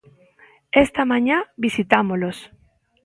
Esta mañá visitámolos.